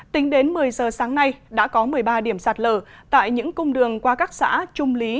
tính đến một mươi giờ sáng nay đã có một mươi ba điểm sạt lở tại những cung đường qua các xã trung lý